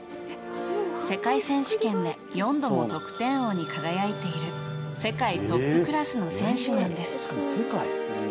世界選手権で４度も得点王に輝いている世界トップクラスの選手なんです。